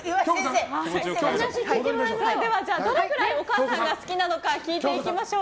それではどのくらいお母さんが好きなのか聞いてきましょう。